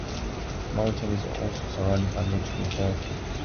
The mountain is also surrounded by a nature reserve.